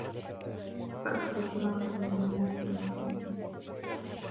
فَأَخْرَجْنَاهُمْ مِنْ جَنَّاتٍ وَعُيُونٍ